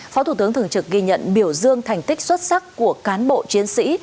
phó thủ tướng thường trực ghi nhận biểu dương thành tích xuất sắc của cán bộ chiến sĩ